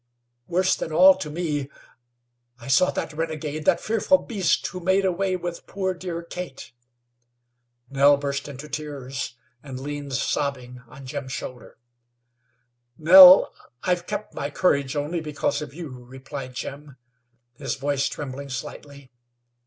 Worse than all to me, I saw that renegade, that fearful beast who made way with poor dear Kate!" Nell burst into tears, and leaned sobbing on Jim's shoulder. "Nell, I've kept my courage only because of you," replied Jim, his voice trembling slightly.